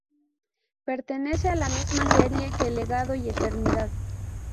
Pertenece a la misma serie que Legado y Eternidad.